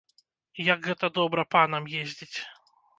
Як гэта добра панам ездзіць.